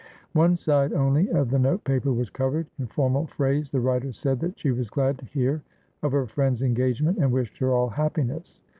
One side only of the note paper was covered. In formal phrase, the writer said that she was glad to hear of her friend's engagement, and wished her all happiness.